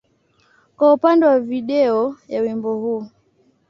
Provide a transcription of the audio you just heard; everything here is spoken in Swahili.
kwa upande wa video ya wimbo huu.